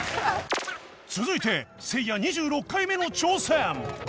続いてせいや２６回目の挑戦